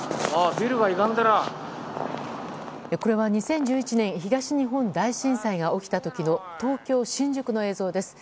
これは２０１１年東日本大震災が起きた時の東京・新宿の映像です。